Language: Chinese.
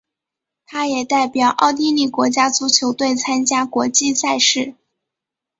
他也代表奥地利国家足球队参加国际赛事。